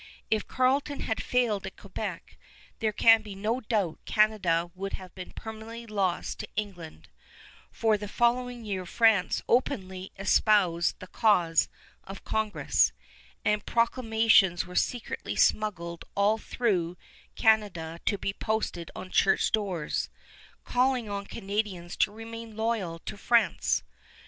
If Carleton had failed at Quebec, there can be no doubt Canada would have been permanently lost to England; for the following year France openly espoused the cause of Congress, and proclamations were secretly smuggled all through Canada to be posted on church doors, calling on Canadians to remain loyal to France.